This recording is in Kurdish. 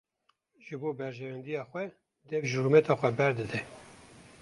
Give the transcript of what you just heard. Ji bo berjewendiya xwe dev ji rûmeta xwe berdide.